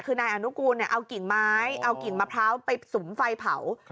คือนายอนุกูลเอากิ่งไม้เอากิ่งมะพร้าวไปสุมไฟเผา